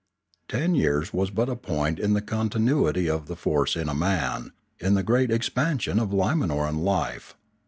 Ten years was but a point in the continuity of the force in a man, in the great expansion of Limanoran life.